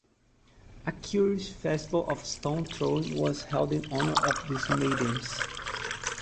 A curious festival of stone-throwing was held in honor of these maidens.